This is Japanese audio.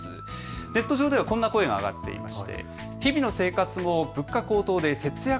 ネット上ではこんな声が上がっています。